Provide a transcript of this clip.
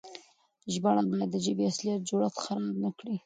ژباړه بايد د ژبې اصلي جوړښت خراب نه کړي.